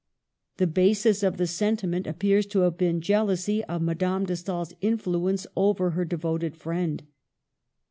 The basis of the sentiment appears to have been jealousy of Madame de Stael's influence over her devoted friend.